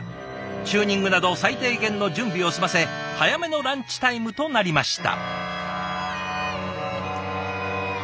チューニングなど最低限の準備を済ませ早めのランチタイムとなりました。